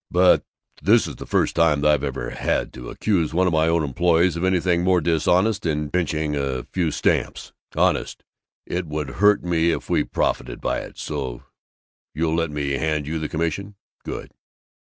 But this is the first time I've ever had to accuse one of my own employees of anything more dishonest than pinching a few stamps. Honest, it would hurt me if we profited by it. So you'll let me hand you the commission? Good!"